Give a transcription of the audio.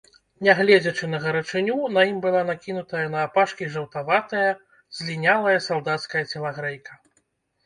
Нягледзячы на гарачыню, на ім была накінутая наапашкі жаўтаватая, злінялая салдацкая целагрэйка.